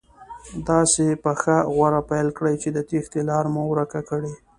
داسې پخه غوره پیل کړي چې د تېښتې لاره مې ورکه کړي.